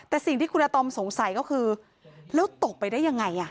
แต่สิ่งที่คุณอาตอมสงสัยก็คือแล้วตกไปได้ยังไง